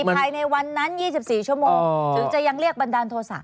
ภายในวันนั้น๒๔ชั่วโมงถึงจะยังเรียกบันดาลโทษะ